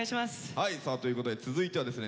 さあということで続いてはですね